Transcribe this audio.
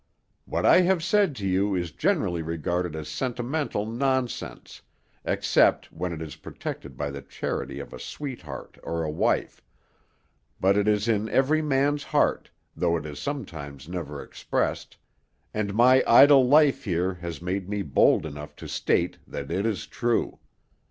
What I have said to you is generally regarded as sentimental nonsense except when it is protected by the charity of a sweetheart or a wife; but it is in every man's heart, though it is sometimes never expressed, and my idle life here has made me bold enough to state that it is true.